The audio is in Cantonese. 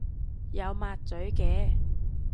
有抹嘴嘅